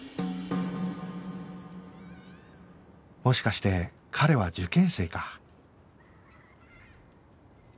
もしかして彼は受験生か